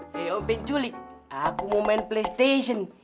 hei om penculik aku mau main playstation